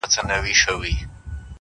بويي تلم په توره شپه کي تر کهساره،